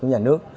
của nhà nước